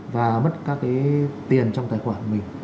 và mất các cái tiền trong tài khoản mình